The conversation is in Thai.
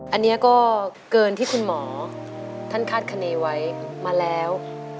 อันนี้ก็เกินที่คุณหมอท่านคาดคณีไว้มาแล้ว